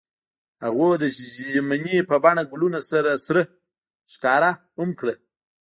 هغوی د ژمنې په بڼه ګلونه سره ښکاره هم کړه.